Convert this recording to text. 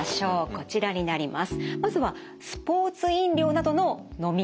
こちらになります。